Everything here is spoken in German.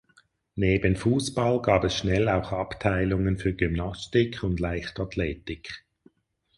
Neben Fußball gab es schnell auch Abteilungen für Gymnastik und Leichtathletik.